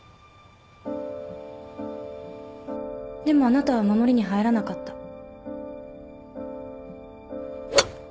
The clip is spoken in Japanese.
でもあなたは守りに入らなかった。